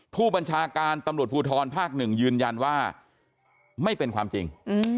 ผู้บัญชาการตำรวจภูทรภาคหนึ่งยืนยันว่าไม่เป็นความจริง